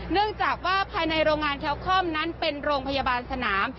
เนื่องจากว่าภายในโรงงานแคลคอมนั้นเป็นโรงพยาบาลสนาม